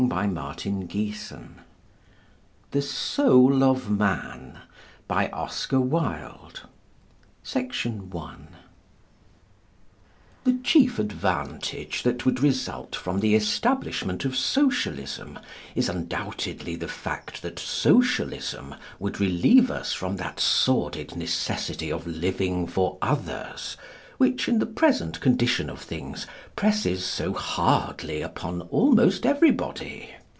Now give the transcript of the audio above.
HUMPREYS 1900 Second Impression THE SOUL OF MAN THE chief advantage that would result from the establishment of Socialism is, undoubtedly, the fact that Socialism would relieve us from that sordid necessity of living for others which, in the present condition of things, presses so hardly upon almost everybody.